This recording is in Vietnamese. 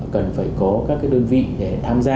cần phải có các đơn vị tham gia